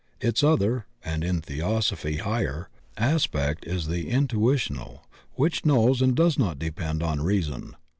Its other, and in theoso phy higher, aspect is the intuitional, which knows, and does not depend on reason.